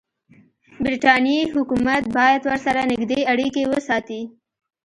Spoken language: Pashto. برټانیې حکومت باید ورسره نږدې اړیکې وساتي.